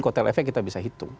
kotel efek kita bisa hitung